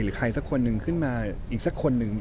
หรือใครสักคนนึงขึ้นมาอีกสักคนนึง